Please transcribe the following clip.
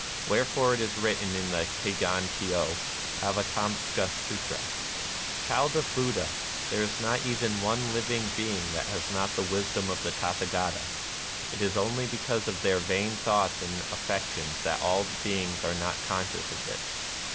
Wherefore it is written in the Kegon Kyo (Avatamsaka Sutra) :" Child of Buddha, there is not even one living being that has not the wisdom of the Tathagata. It is only because of their vain thoughts and affections that all beings are not conscious of this.